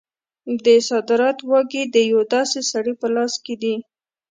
د صدارت واګې د یو داسې سړي په لاس کې دي.